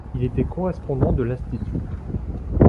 Il était correspondant de l'Institut.